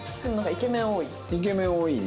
イケメン多いね。